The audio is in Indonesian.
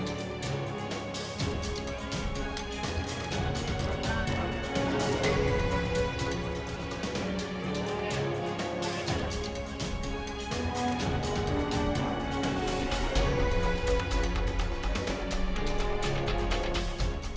barang juga ganti